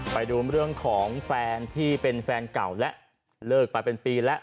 ไปดูเรื่องของแฟนที่เป็นแฟนเก่าและเลิกไปเป็นปีแล้ว